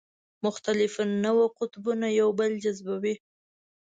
مختلف النوع قطبونه یو بل جذبوي.